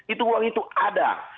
itu uang itu ada